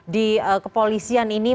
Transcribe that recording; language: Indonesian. di kepolisian ini